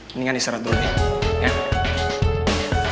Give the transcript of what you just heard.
mendingan istirahat dulu deh ya